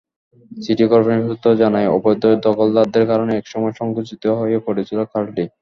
City corporation সূত্র জানায়, অবৈধ দখলদারদের কারণে একসময় সংকুচিত হয়ে পড়েছিল খালটি।